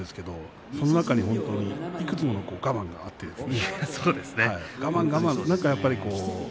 その中でいくつもの我慢があるんですよ。